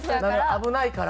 危ないから。